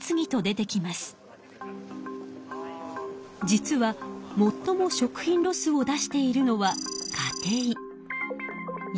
実はもっとも食品ロスを出しているのは家庭。